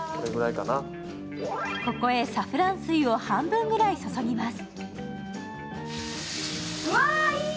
ここへサフラン水を半分ぐらい注ぎます。